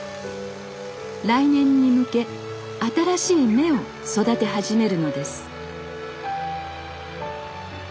来年に向け新しい芽を育て始めるのです